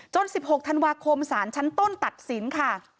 ๑๖ธันวาคมสารชั้นต้นตัดสินค่ะ